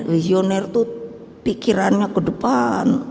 visioner itu pikirannya ke depan